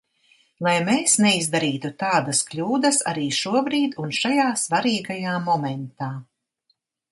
Lai mēs neizdarītu tādas kļūdas arī šobrīd un šajā svarīgajā momentā.